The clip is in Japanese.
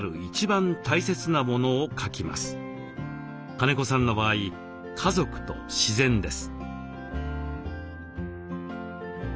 金子さんの場合「家族」と「自然」です。